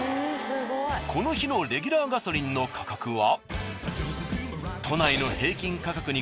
この日のレギュラーガソリンの価格は。